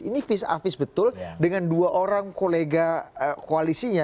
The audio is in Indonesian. ini vis a vis betul dengan dua orang kolega koalisinya